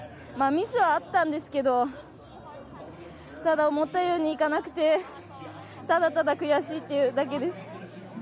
ミスはあったんですけどただ、思ったようにいかなくてただただ悔しいというだけです。